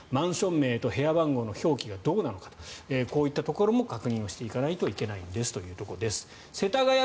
マンション名と部屋番号の表記がどうなのかこういったところも確認しないといけないということです。